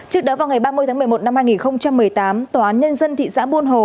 trước đó vào ngày ba mươi tháng một mươi một năm hai nghìn một mươi tám tòa án nhân dân thị xã buôn hồ